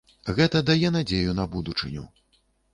Гэта дае надзею на будучыню.